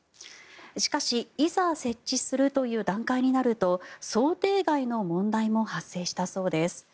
しかし、いざ設置するという段階になると想定外の問題も発生したそうです。